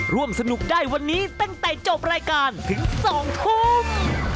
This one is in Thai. ร่วมสนุกได้วันนี้ตั้งแต่จบรายการถึง๒ทุ่ม